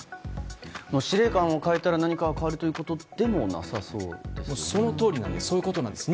司令官を変えたら何かが変わるということではそういうことなんです。